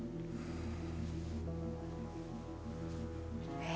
えっ？